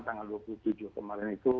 yang rp dua puluh tujuh juta kemarin itu